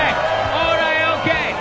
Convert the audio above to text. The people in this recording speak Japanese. オーライＯＫ！